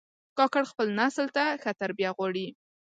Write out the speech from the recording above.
کاکړ خپل نسل ته ښه تربیه غواړي.